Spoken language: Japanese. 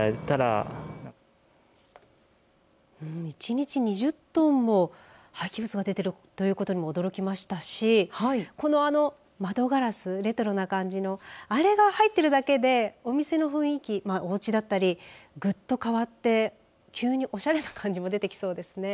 １日２０トンも廃棄物が出ているということにも驚きましたしこの窓ガラス、レトロな感じのあれが入っているだけでお店の雰囲気おうちだったり、ぐっと変わって急におしゃれな感じも出てきそうですね。